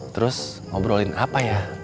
terus ngobrolin apa ya